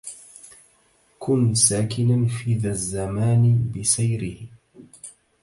كن ساكنا في ذا الزمان بسيره